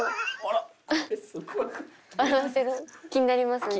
気になりますね。